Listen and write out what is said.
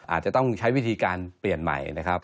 อาจจะต้องใช้วิธีการเปลี่ยนใหม่นะครับ